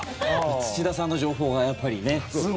土田さんの情報がやっぱりね。